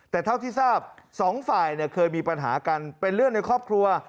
แต่เท่าที่ทราบสองฝ่ายเคยมีปัญหากันเป็นเรื่องในครอบครัว